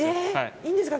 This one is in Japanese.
いいんですか。